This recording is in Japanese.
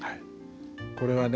これはね